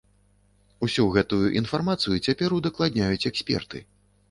Усю гэтую інфармацыю цяпер удакладняюць эксперты.